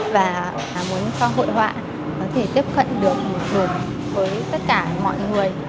và muốn cho hội họa có thể tiếp cận được một đường với tất cả mọi người